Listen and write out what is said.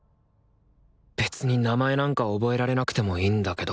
別に名前なんか覚えられなくてもいいんだけど。